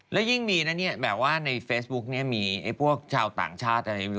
แล้วยิ่งมีนะเนี่ยแบบว่าในเฟซบุ๊กเนี่ยมีพวกชาวต่างชาติอะไร